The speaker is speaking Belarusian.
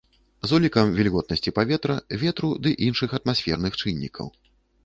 З улікам вільготнасці паветра, ветру ды іншых атмасферных чыннікаў.